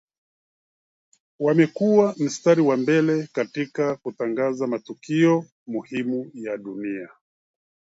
Wamekua mstari wa mbele katika kutangaza matukio muhimu ya dunia